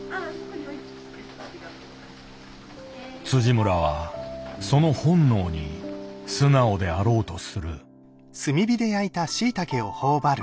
村はその本能に素直であろうとする。